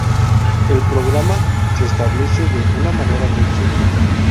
El programa se establece de una manera muy simple.